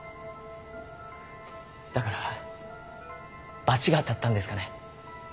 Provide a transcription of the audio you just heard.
だから罰が当たったんですかね。